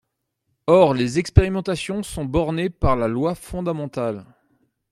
Or les expérimentations sont bornées par la loi fondamentale.